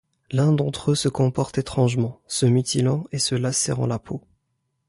L'un d'entre eux se comporte étrangement, se mutilant et se lacérant la peau.